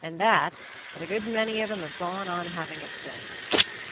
and that a good many of 'em have gone on having it since..."